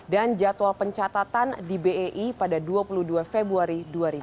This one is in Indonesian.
dan jadwal pencatatan di bei pada dua puluh dua februari dua ribu delapan belas